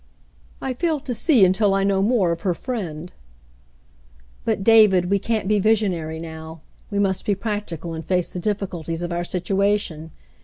" I fail to see until I know more of her friend." " But, David, we can't be visionary now. We must be practical and face the difiiculties of our situation.